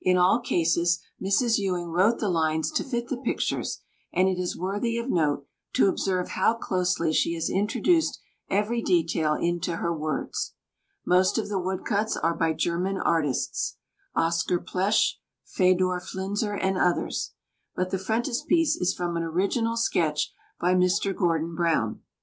In all cases Mrs. Ewing wrote the lines to fit the pictures, and it is worthy of note to observe how closely she has introduced every detail into her words. Most of the woodcuts are by German artists, Oscar Pletsch, Fedor Flinzer, and others; but the frontispiece is from an original sketch by Mr. Gordon Browne.